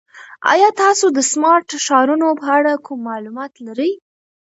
ایا تاسو د سمارټ ښارونو په اړه کوم معلومات لرئ؟